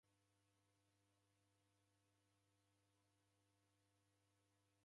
Nicharitotesha madhabahu